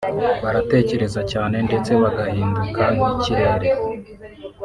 Baratekereza cyane ndetse bagahinduka nk’ikirere